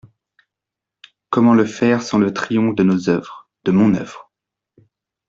Comment le faire sans le triomphe de nos œuvres, de mon œuvre?